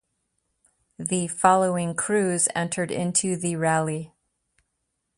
The following crews entered into the rally.